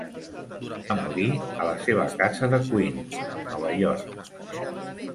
Va morir a la seva casa de Queens, Nova York.